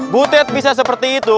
butet bisa seperti itu